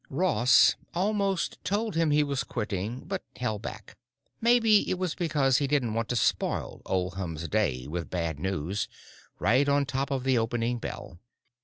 Ross almost told him he was quitting, but held back. Maybe it was because he didn't want to spoil Oldham's day with bad news, right on top of the opening bell.